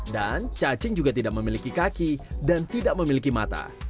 dan cacing juga tidak memiliki kaki dan tidak memiliki mata